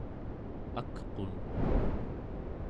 akqun